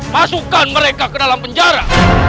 masukkan mereka ke dalam penjara